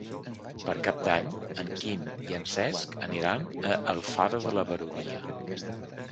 Per Cap d'Any en Quim i en Cesc aniran a Alfara de la Baronia.